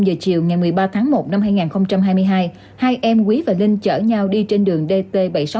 một giờ chiều ngày một mươi ba tháng một năm hai nghìn hai mươi hai hai em quý và linh chở nhau đi trên đường dt bảy trăm sáu mươi một